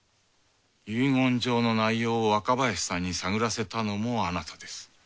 遺言状の内容を若林さんに探らせたのもあなたです。